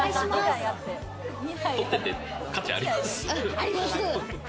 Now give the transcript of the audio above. あります。